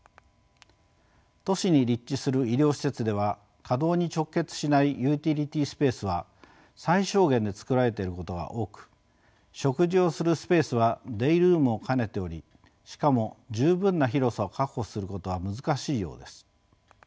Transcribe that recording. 都市に立地する医療施設では稼働に直結しないユーティリティースペースは最小限で作られてることが多く食事をするスペースはデイルームを兼ねておりしかも十分な広さを確保することは難しいようです。